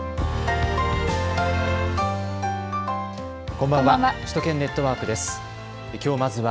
こんばんは。